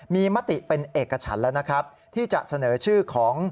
มีมติเป็นเอกฉันแล้วนะครับที่จะเสนอชื่อของ